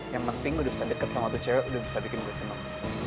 yang penting gue udah bisa deket sama tuh cewek udah bisa bikin gue senang